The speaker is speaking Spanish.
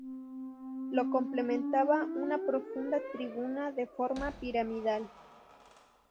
Lo complementaba una profunda tribuna de forma piramidal.